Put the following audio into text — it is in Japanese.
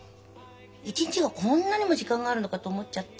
一日がこんなにも時間があるのかと思っちゃった。